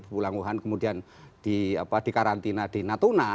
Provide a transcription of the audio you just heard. pulang wuhan kemudian dikarantina di natuna